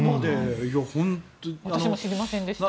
私も知りませんでした。